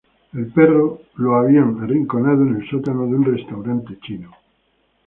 El perro había sido arrinconado en el sótano de un restaurante chino.